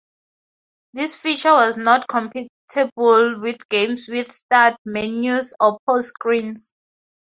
This feature was not compatible with games with start menus or pause screens.